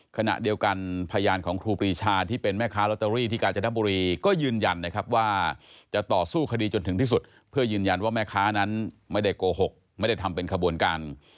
ขณะเดียวกันพยานของครูปรีชาที่เป็นแม่ค้าลอตเตอรี่ที่กาญจนบุรีก็ยืนยันนะครับว่าจะต่อสู้คดีจนถึงที่สุดเพื่อยืนยันว่าแม่ค้านั้นไม่ได้โกหกไม่ได้ทำเป็นขบวนการ